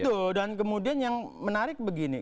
betul dan kemudian yang menarik begini